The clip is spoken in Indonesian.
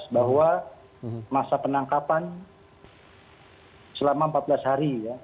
bahwa masa penangkapan selama empat belas hari